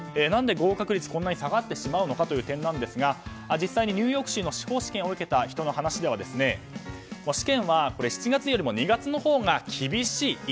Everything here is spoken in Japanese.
何で合格率こんなに下がってしまうのかという点ですが実際にニューヨーク州の司法試験を受けた人の話では試験は７月よりも２月のほうが厳しい。